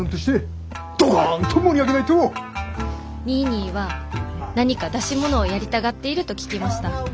「ニーニーは何か出し物をやりたがっていると聞きました。